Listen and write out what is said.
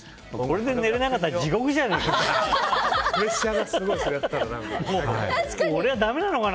これで寝れなかったら地獄じゃねえか！